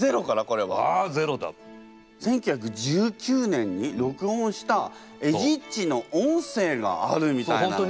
１９１９年に録音したエジっちの音声があるみたいなの。